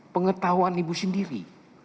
pengetahuan ibu sendiri